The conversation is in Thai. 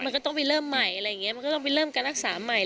ก็ต้องไปเริ่มใหม่มันก็ต้องไปเริ่มการอักษาใหม่